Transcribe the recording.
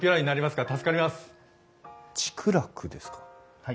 はい。